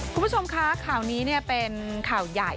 คุณผู้ชมคะข่าวนี้เป็นข่าวใหญ่